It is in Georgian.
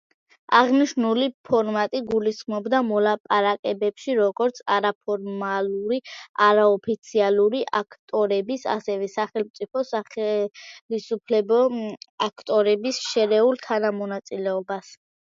აღნიშნული ფორმატი გულისხმობდა მოლაპარაკებებში, როგორც არაფორმალური, არაოფიციალური აქტორების, ასევე სახელმწიფო, სახელისუფლებო აქტორების შერეულ თანამონაწილეობას.